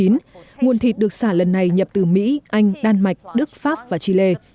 nguồn thịt được xả lần này nhập từ mỹ anh đan mạch đức pháp và chile